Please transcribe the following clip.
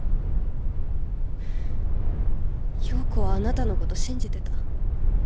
葉子はあなたのこと信じてた。